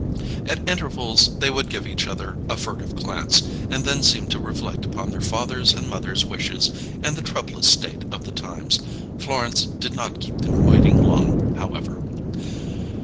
At intervals they would give each other a furtive glance, and then seem to reflect upon their fathers' and mothers' wishes and the troublous state of the times. Florence did not keep them waiting long, however.